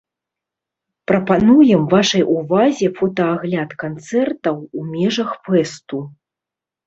Прапануем вашай увазе фотаагляд канцэртаў у межах фэсту.